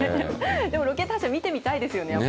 でも、ロケット発射、見てみたいですよね。